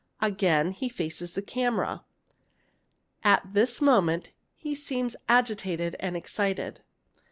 Again he faces the camera. At this moment he seems agitated and excited.